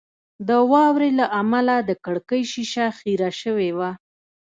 د واورې له امله د کړکۍ شیشه خیره شوې وه